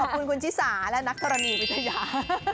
ขอบคุณคุณชิสาและนักธรณีวิทยา